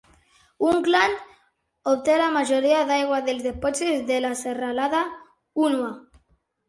Auckland obté la majoria d'aigua dels dipòsits de la serralada Hunua.